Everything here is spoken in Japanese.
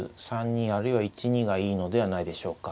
３二あるいは１二がいいのではないでしょうか。